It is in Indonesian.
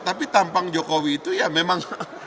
tapi tampang jokowi itu ya memang